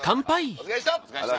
お疲れっした！